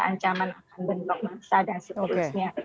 ancaman bentuk massa dan sebagainya